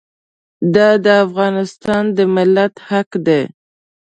دا د افغانستان د ملت حق دی.